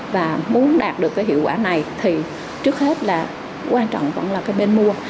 và muốn đạt được cái hiệu quả này thì trước hết là quan trọng cũng là cái bên mua